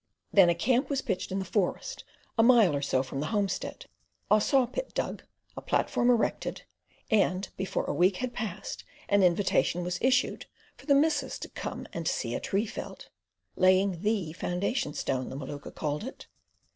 Then a camp was pitched in the forest, a mile or so from the homestead; a sawpit dug, a platform erected, and before a week had passed an invitation was issued, for the missus to "come and see a tree felled." "Laying thee foundation stone," the Maluka called it.